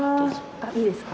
あっいいですか？